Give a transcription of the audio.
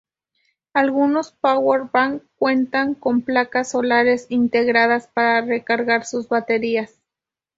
Algunos power bank cuentan con placas solares integradas, para recargar sus baterías.